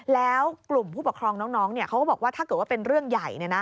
แล้วกลุ่มผู้ปกครองน้องเขาก็บอกว่าถ้าเกิดว่าเป็นเรื่องใหญ่